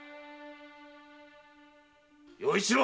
〔与一郎！